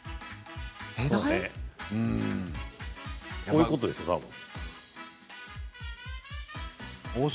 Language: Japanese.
こういうことでしょう？